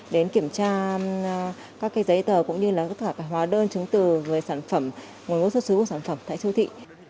đến kiểm tra các cái giấy tờ cũng như là các cái hóa đơn chứng từ về sản phẩm nguồn gốc xuất xứ của sản phẩm tại châu thị